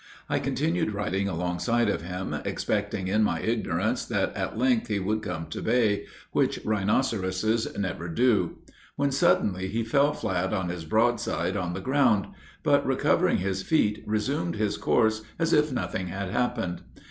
I continued riding alongside of him, expecting in my ignorance that at length he would come to bay, which rhinoceroses never do; when suddenly he fell flat on his broadside on the ground, but recovering his feet, resumed his course as if nothing had happened.